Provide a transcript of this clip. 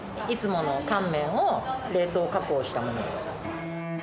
いつもの乾麺を冷凍加工したもの